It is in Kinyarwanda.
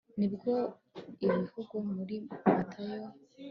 nibwo ibivugwa muri matayo